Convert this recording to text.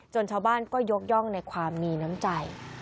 ชาวบ้านก็ยกย่องในความมีน้ำใจ